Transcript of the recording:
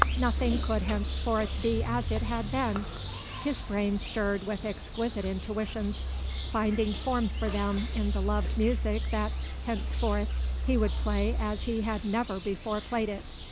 Nothing could henceforth be as it had been. His brain stirred with exquisite intuitions, finding form for them in the loved music that, henceforth, he would play as he had never before played it.